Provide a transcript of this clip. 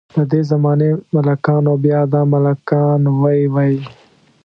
ددې زمانې ملکان او بیا دا ملکان وۍ وۍ.